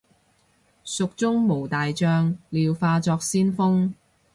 蜀中無大將，廖化作先鋒